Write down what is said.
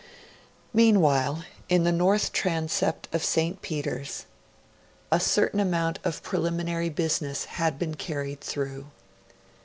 Meanwhile, in the North Transept of St. Peter's a certain amount of preliminary business had been carried through.